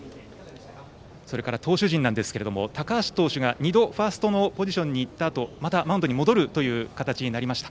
投手陣なんですが高橋投手が２度ファーストのポジションにいったあとまたマウンドに戻る形になりました。